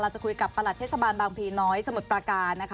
เราจะคุยกับประหลัดเทศบาลบางพีน้อยสมุดปาการ